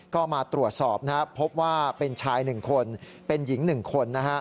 ก็มาตรวจสอบนะครับพบว่าเป็นชาย๑คนเป็นหญิง๑คนนะฮะ